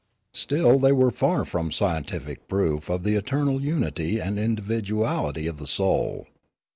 Still were they far from scientific proof of the eternal unity and individuality of the soul.